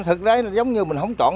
thực ra nó giống như mình không chọn